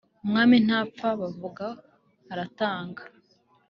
Umwami ntapfa, bavuga aratanga